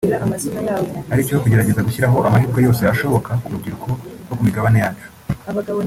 ari cyo kugerageza gushyiraho amahirwe yose ashoboka ku rubyiruko rwo ku migabane yacu